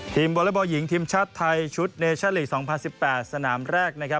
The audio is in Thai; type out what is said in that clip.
ทีมวอลเลอร์บอลหญิงทีมชาติไทยชุดเนชั่นลีกสองพันสิบแปดสนามแรกนะครับ